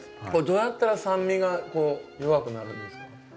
これどうやったら酸味がこう弱くなるんですか？